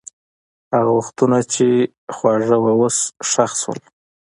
هغه وختونه چې خوږ وو، اوس ښخ شول.